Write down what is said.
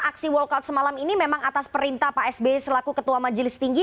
aksi walkout semalam ini memang atas perintah pak sby selaku ketua majelis tinggi